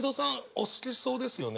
お好きそうですよね。